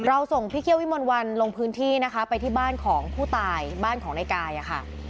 ส่งพี่เคี่ยววิมลวันลงพื้นที่นะคะไปที่บ้านของผู้ตายบ้านของนายกายอะค่ะ